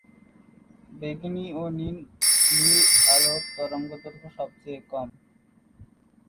বেগুনি ও নীল আলোর তরঙ্গদৈর্ঘ্য সবচেয়ে কম।